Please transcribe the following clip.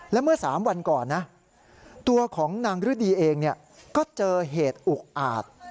และเมื่อ๓วันก่อนนะตัวของนางฤดีเองก็เจอเหตุอุกอาจ